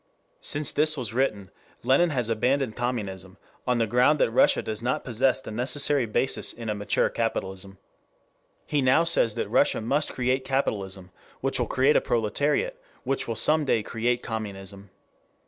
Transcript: Since this was written Lenin has abandoned communism on the ground that Russia does not possess the necessary basis in a mature capitalism. He now says that Russia must create capitalism, which will create a proletariat, which will some day create communism.